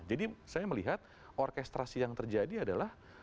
jadi saya melihat orkestrasi yang terjadi adalah